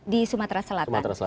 di sumatera selatan